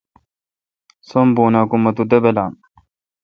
سم بون اں کہ مہ تو دبلام